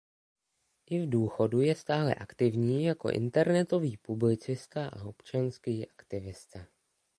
I v důchodu je stále aktivní jako internetový publicista a občanský aktivista.